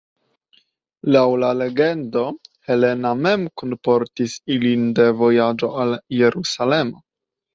Laŭ la legendo Helena mem kunportis ilin de vojaĝo al Jerusalemo.